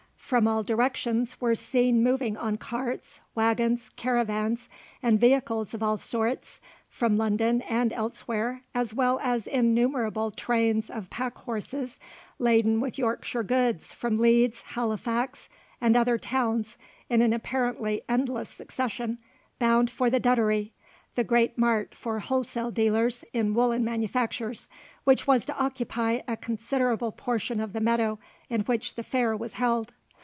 From all directions were seen moving on carts, waggons, caravans, and vehicles of all sorts, from London and elsewhere, as well as innumerable trains of pack horses laden with Yorkshire goods from Leeds, Halifax, and other towns in an apparently endless succession, bound for the Duddery, the great mart for wholesale dealers in woollen manufactures, which was to occupy a considerable portion of the meadow in which the fair was held.